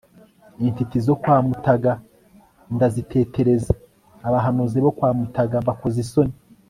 Intiti zo kwa Mutaga ndazitetereza abahanuzi bo kwa Mutaga mbakoza isoni